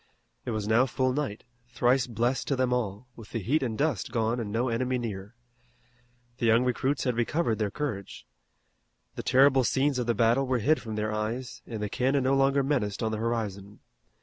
It was now full night, thrice blessed to them all, with the heat and dust gone and no enemy near. The young recruits had recovered their courage. The terrible scenes of the battle were hid from their eyes, and the cannon no longer menaced on the horizon.